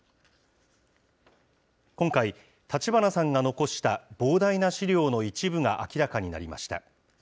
今回、立花さんが残した膨大な資料の一部が明らかになりました。